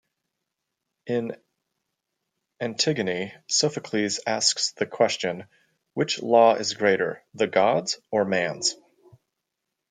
In "Antigone", Sophocles asks the question, which law is greater: the gods' or man's.